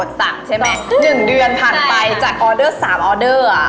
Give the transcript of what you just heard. ๑เดือนผ่านไปจากออเดอร์๓ออเดอร์